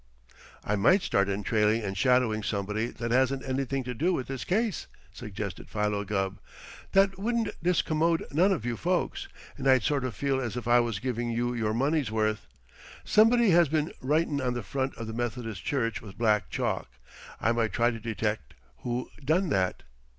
"I might start in trailing and shadowing somebody that hasn't anything to do with this case," suggested Philo Gubb. "That wouldn't discommode none of you folks, and I'd sort of feel as if I was giving you your money's worth. Somebody has been writin' on the front of the Methodist Church with black chalk. I might try to detect who done that."